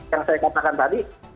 yang saya katakan tadi